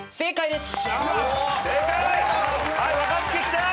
正解です！